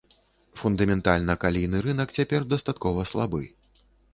Фундаментальна калійны рынак цяпер дастаткова слабы.